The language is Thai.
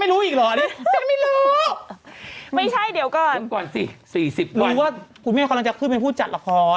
รู้ว่าหุ่นแม่กำลังจะขึ้นเป็นผู้จัดละคร